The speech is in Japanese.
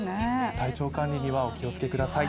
体調管理にはお気をつけください。